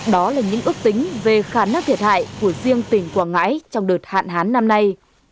đó là những ước tính về khả năng thiệt hại của riêng tỉnh quảng ngãi trong đợt hạn hán năm nay